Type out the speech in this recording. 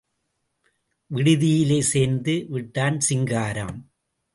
விடுதியிலே சேர்ந்து விட்டான் சிங்காரம்.